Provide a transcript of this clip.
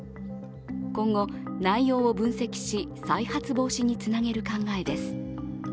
今後、内容を分析し再発防止につなげる考えです。